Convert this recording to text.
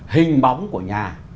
hình bóng của nhà